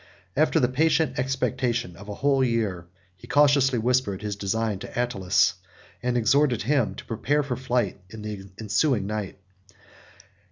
After the patient expectation of a whole year, he cautiously whispered his design to Attalus, and exhorted him to prepare for flight in the ensuing night.